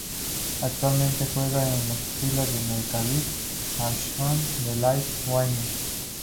Actualmente juega en las filas del Maccabi Ashdod de la Ligat Winner.